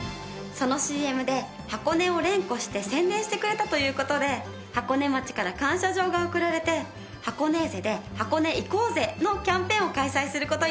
そのＣＭで「ハコネ」を連呼して宣伝してくれたという事で箱根町から感謝状が贈られて「ハコネーゼで箱根いこーゼ」のキャンペーンを開催する事になったの。